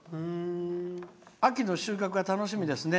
「秋の収穫が楽しみですね」